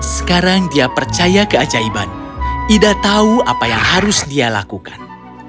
sekarang dia percaya keajaiban ida tahu apa yang harus dia lakukan